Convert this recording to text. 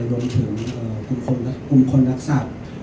ดวงถึงกลุ่มคนนักศัพท์